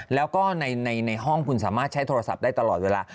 แล้วก็ในห้องคุณสามารถใช้โทรศัพท์ได้ตลอดเวลา